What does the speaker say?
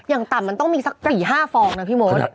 อย่างต่ำมันต้องมีสัก๔๕ฟองนะพี่มด